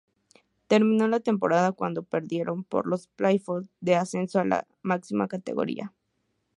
Terminó la temporada cuando perdieron por los playoffs del ascenso a la máxima categoría.